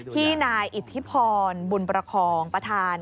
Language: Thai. ที่นายอิทธิพรบุญประคองประธาน